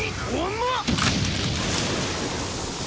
重っ！